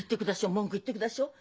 文句言っでくだっしょ。